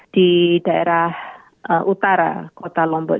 di daerah utara kota lombok